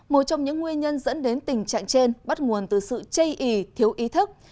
một trong những nguyên nhân dẫn đến tình trạng trên bắt nguồn từ sự chây ý thiếu ý thức